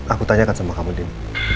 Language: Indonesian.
aku tanyakan sama kamu din